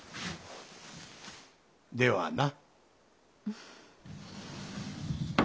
ではな。